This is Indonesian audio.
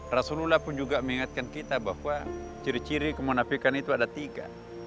rasulullah pun juga mengingatkan kita bahwa ciri ciri kemunafikan itu ada tiga